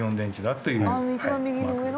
あっ一番右の上の？